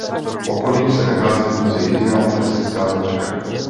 V okolí se nachází pouze jediná turistická značka.